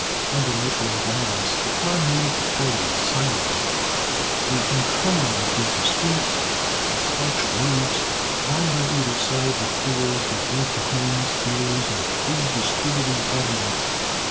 Under Mich'l's guidance the car moved forward silently, through interminable busy streets with arched roofs, lined on either side with doors that led to homes, theaters and food distributing automats.